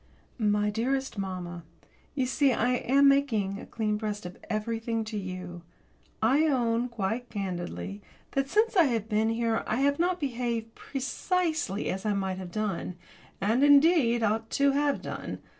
My dearest mamma, you see I am making a clean breast of everything to you. I own, quite candidly, that since I have been here I have not behaved precisely as I might have done, and, indeed, ought to have done.